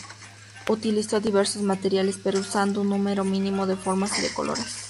Utilizó diversos materiales pero usando un número mínimo de formas y de colores.